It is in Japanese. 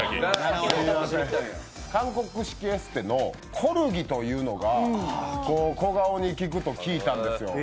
韓国式エステのコルギというのが小顔に効くと聞いたんですよ。